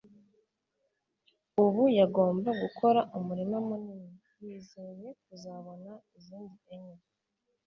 ubu yagomba gukora umurima munini. yizeye kuzabona izindi enye